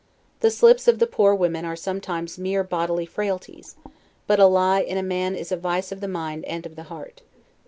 The slips of the poor women are sometimes mere bodily frailties; but a lie in a man is a vice of the mind and of the heart.